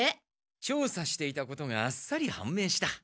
調査していたことがあっさり判明した。